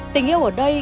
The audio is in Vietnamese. tình yêu ở đây